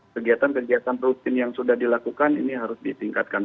kegiatan kegiatan rutin yang sudah dilakukan ini harus ditingkatkan